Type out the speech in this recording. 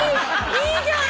いいじゃん